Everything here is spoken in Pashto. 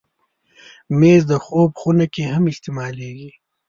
مېز د خوب خونه کې هم استعمالېږي.